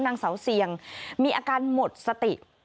นางเสาเสียงมีอาการหมดสติ